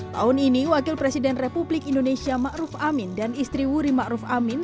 tahun ini wakil presiden republik indonesia ma'ruf amin dan istri wuri ma'ruf amin